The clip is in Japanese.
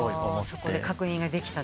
そこで確認ができた。